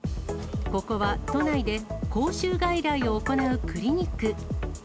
ここは都内で口臭外来を行うクリニック。